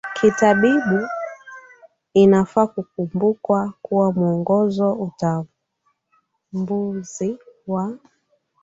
kitabibu Inafaa kukumbukwa kuwa Mwongozo Utambuzi wa